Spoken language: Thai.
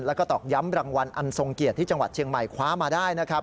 แล้วก็ตอกย้ำรางวัลอันทรงเกียรติที่จังหวัดเชียงใหม่คว้ามาได้นะครับ